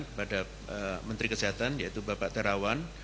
kepada menteri kesehatan yaitu bapak terawan